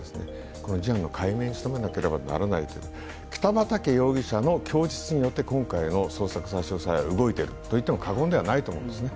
この事件を解明しなければならないと、北畠容疑者の供述によって今回の捜索差し押さえは動いているといっても過言ではないと思うんですよね。